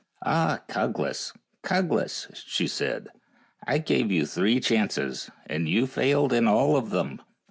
" Ah, Cuglas, Cuglas," she said, " I gave you three chances, and you failed in all of them."